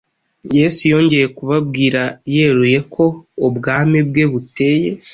Yesu yongeye kubabwira yeruye uko Ubwami bwe buteye.